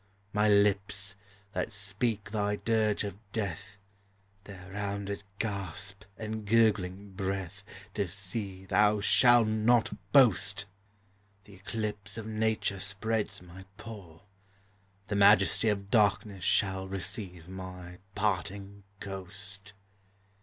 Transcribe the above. My lips, that speak thy dirge of death, — Their rounded gasp and gurgling breath To see thou shalt not boast. The eclipse of Nature spreads my pall, The majesty of darkness shall Receive my parting ghost